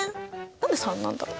何で３なんだろう？